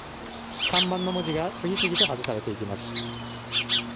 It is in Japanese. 看板の文字が次々と外されていきます。